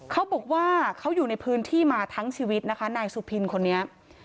เขาบอกว่าเขาอยู่ในพื้นที่มาทั้งชีวิตนะคะนายสุพินคนนี้